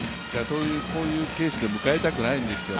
こういうケースで迎えたくないんですよ。